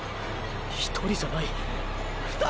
１人じゃない２人いる！！